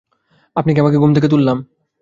আমি কি আপনাকে ঘুম থেকে তুললাম?